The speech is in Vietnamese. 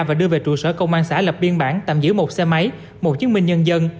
và đưa về trụ sở công an xã lập biên bản tạm giữ một xe máy một chứng minh nhân dân